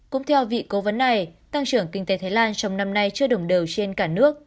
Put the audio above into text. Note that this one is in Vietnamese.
cũng theo vị cố vấn này tăng trưởng kinh tế thái lan trong năm nay chưa đồng đều trên cả nước